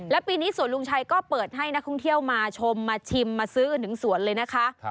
และปีนี้สวนลุงชัยก็เปิดให้นักท่องเที่ยวมาชมมาชิมมาซื้อกันถึงสวนเลยนะคะ